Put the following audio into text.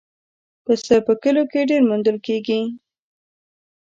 پسه په کلیو کې ډېر موندل کېږي.